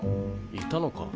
いたのか。